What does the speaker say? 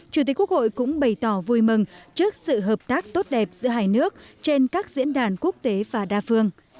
chủ tịch quốc hội cũng bày tỏ vui mừng trước sự hợp tác tốt đẹp giữa hai nước trên các diễn đàn quốc tế và đa phương